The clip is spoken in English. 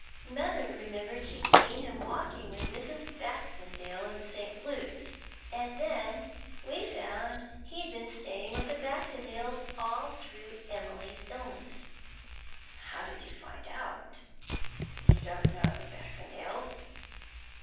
Mother remembered she'd seen him walking with Mrs. Baxendale in St. Luke's, and then we found he'd been staying with the Baxendales all through Emily's illness.' 'How did you find it out? You don't know the Baxendales.'